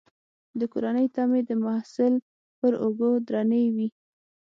د کورنۍ تمې د محصل پر اوږو درنې وي.